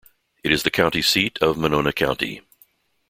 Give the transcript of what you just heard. It is the county seat of Monona County.